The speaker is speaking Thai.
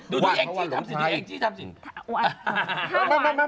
ดูดูเองจี้ทำสิดูเองจี้ทำสิ